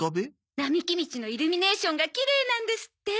並木道のイルミネーションがきれいなんですって！